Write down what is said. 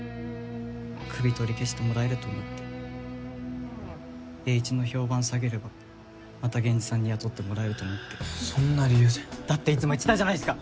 クビ取り消してもらえると思ってエーイチの評判下げればまたゲンジさんに雇ってもらえると思ってそんな理由でだっていつも言ってたじゃないですか